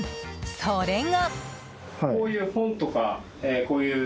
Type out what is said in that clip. それが。